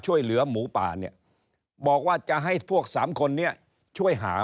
ช่วยเหลือหมูป่าเนี่ยบอกว่าจะให้พวกสามคนนี้ช่วยหา